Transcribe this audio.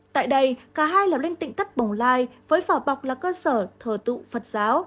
tại đây cả hai là lên tịnh thất bổng lai với phỏ bọc là cơ sở thờ tụ phật giáo